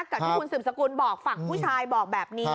กับที่คุณสืบสกุลบอกฝั่งผู้ชายบอกแบบนี้